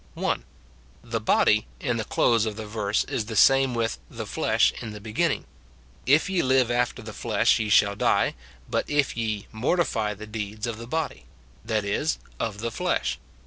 (1.) The hody in the close of the verse is the same with the flesh in the beginning: "If ye live after the flesh ye shall die ; but if ye .... mortify the deeds of the body," — that is, of the flesh.